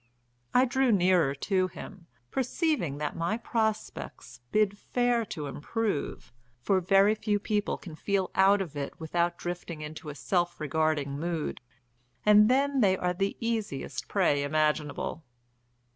I drew nearer to him, perceiving that my prospects bid fair to improve. For very few people can feel out of it without drifting into a self regarding mood, and then they are the easiest prey imaginable.